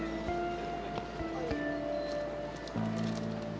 ini aku udah deket ke makam mami aku